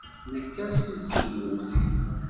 Nekka seg tzewwut.